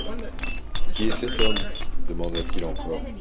Qui est cet homme ? demanda-t-il encore.